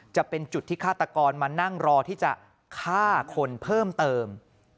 จะเป็นจุดที่ฆาตกรมานั่งรอที่จะฆ่าคนเพิ่มเติม